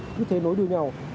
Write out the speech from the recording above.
như thế nối đưa nhau